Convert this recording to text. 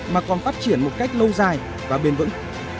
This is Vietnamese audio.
mà còn phát triển một cách lâu dài và bền vững